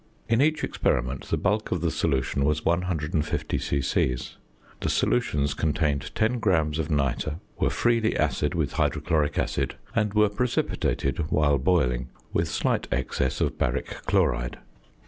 In each experiment the bulk of the solution was 150 c.c. The solutions contained 10 grams of nitre, were freely acid with hydrochloric acid, and were precipitated (while boiling) with slight excess of baric chloride.